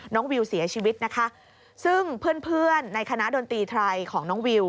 วิวเสียชีวิตนะคะซึ่งเพื่อนเพื่อนในคณะดนตรีไทยของน้องวิว